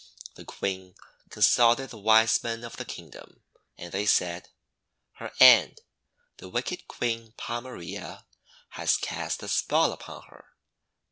The Queen consulted the Wisemen of the Kingdom; and they said: — "Her aunt, the wicked Queen Pomarea, has cast a spell upon her.